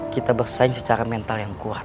kita bersaing secara mental yang kuat